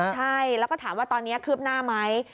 ใช่แล้วก็ถามว่าตอนนี้คืบหน้าไหม